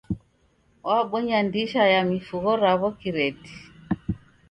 W'abonya ndisha ya mifugho raw'o kireti.